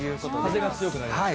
風が強くなりますか？